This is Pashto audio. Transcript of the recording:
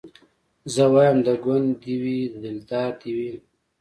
زه وايم د ګوند دي وي دلدار دي وي